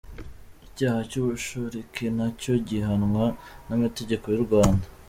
Icyaha cy’ubushoreke nacyo gihanwa n’amategeko y’u Rwanda.